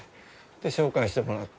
で紹介してもらって。